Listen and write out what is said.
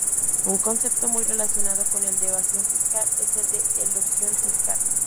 Un concepto muy relacionado con el de evasión fiscal es el de elusión fiscal.